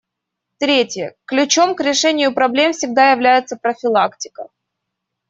Третье: ключом к решению проблем всегда является профилактика.